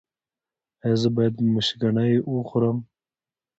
ایا زه باید مشګڼې وخورم؟